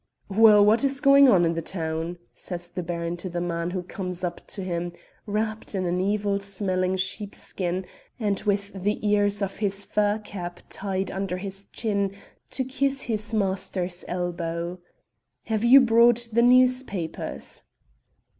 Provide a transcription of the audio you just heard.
"Well, what is going on in the town?" says the baron to the man who comes up to him, wrapped in an evil smelling sheepskin and with the ears of his fur cap tied under his chin, to kiss his master's elbow. "Have you brought the newspapers?"